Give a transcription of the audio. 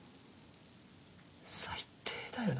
最低だよな。